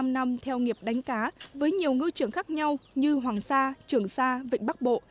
bảy mươi năm năm theo nghiệp đánh cá với nhiều ngư trường khác nhau như hoàng sa trường sa vịnh bắc bộ